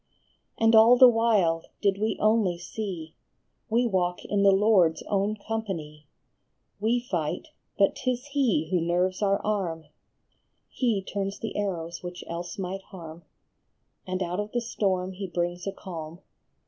And all the while, did we only see, We walk in the Lord s own company ; We fight, but t is he who nerves our arm, He turns the arrows which else might harm, And out of the storm he brings a calm.